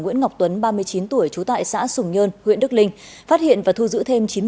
nguyễn ngọc tuấn ba mươi chín tuổi trú tại xã sùng nhơn huyện đức linh phát hiện và thu giữ thêm